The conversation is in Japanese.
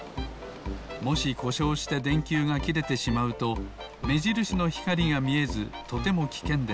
もしこしょうしてでんきゅうがきれてしまうとめじるしのひかりがみえずとてもきけんです。